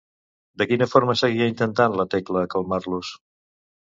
De quina forma seguia intentant la Tecla calmar-los?